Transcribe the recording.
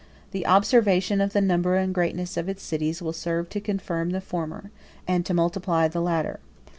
The observation of the number and greatness of its cities will serve to confirm the former, and to multiply the latter.